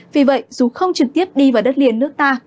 vì vậy dù không trực tiếp đi vào đất liền nước ta